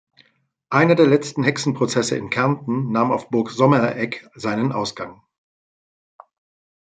Einer der letzten Hexenprozesse in Kärnten nahm auf Burg Sommeregg seinen Ausgang.